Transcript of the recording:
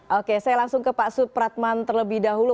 oke saya langsung ke pak supratman terlebih dahulu